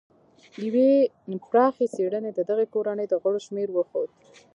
یوې پراخې څېړنې د دغې کورنۍ د غړو شمېر وښود.